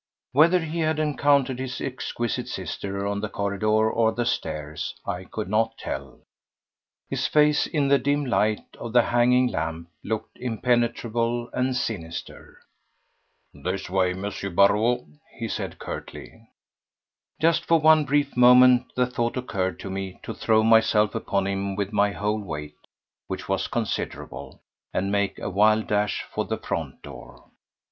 Whether he had encountered his exquisite sister on the corridor or the stairs, I could not tell; his face, in the dim light of the hanging lamp, looked impenetrable and sinister. "This way, M. Barrot," he said curtly. Just for one brief moment the thought occurred to me to throw myself upon him with my whole weight—which was considerable—and make a wild dash for the front door.